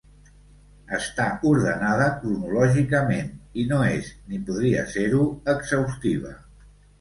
Està ordenada cronològicament i no és, ni podria ser-ho, exhaustiva.